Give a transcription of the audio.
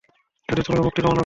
যদি তোমরা মুক্তি কামনা কর।